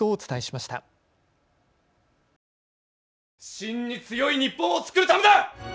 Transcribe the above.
真に強い日本を作るためだ。